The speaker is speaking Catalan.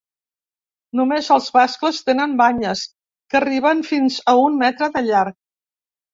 Només els mascles tenen banyes, que arriben fins a un metre de llarg.